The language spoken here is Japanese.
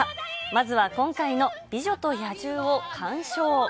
まずは今回の美女と野獣を鑑賞。